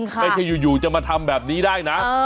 ไม่ใช่อยู่จะมาทำแบบนี้ได้นะ